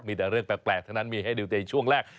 มีแต่เรื่องแปลกเท่านั้นมีให้ดูในช่วงแรก